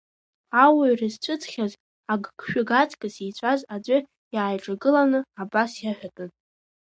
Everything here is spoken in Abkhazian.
Ауаҩра зцәыӡхьаз, агыгшәыг аҵкыс еицәаз аӡәы иааиҿагыланы абас иаҳәатәын…